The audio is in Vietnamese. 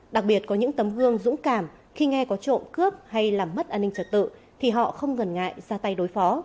đặc biệt có những tấm gương dũng cảm khi nghe có trộm cướp hay làm mất an ninh trật tự thì họ không ngần ngại ra tay đối phó